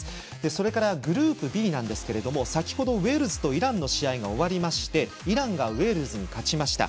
それから、グループＢですが先程、ウェールズとイランの試合が終わりましてイランがウェールズに勝ちました。